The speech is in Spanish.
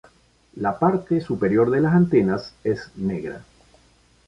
La parte superior de las antenas es negra.